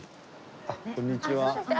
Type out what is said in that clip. あっこんにちは。